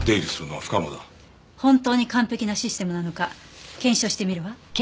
本当に完璧なシステムなのか検証してみるわ。